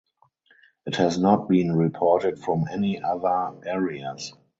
It has not been reported from any other areas.